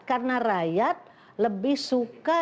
karena rakyat lebih suka